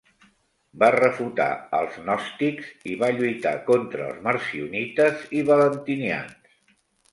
Va refutar als gnòstics i va lluitar contra els marcionites i valentinians.